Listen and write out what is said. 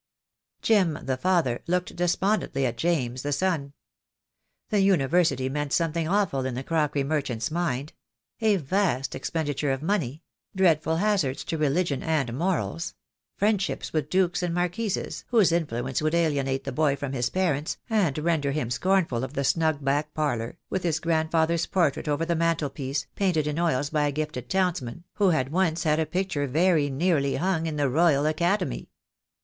Jim, the father, looked despondently at James, the son. The University meant something awful in the crockery merchant's mind; a vast expenditure of money; dreadful hazards to religion and morals; friendships with dukes and marquises, whose influence would alienate the boy from his parents, and render him scornful of the snug back parlour, with his grandfather's portrait over the mantelpiece, painted in oils by a gifted townsman, who had once had a picture very nearly hung in the Royal Academy.